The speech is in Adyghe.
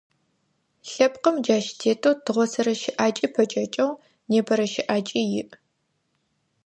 Лъэпкъым джащ тетэу тыгъосэрэ щыӏакӏи пэкӏэкӏыгъ, непэрэ щыӏакӏи иӏ.